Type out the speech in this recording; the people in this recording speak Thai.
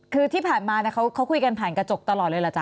คือที่ผ่านมาเขาคุยกันผ่านกระจกตลอดเลยเหรอจ๊